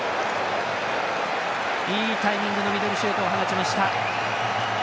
いいタイミングのミドルシュートを放ちました。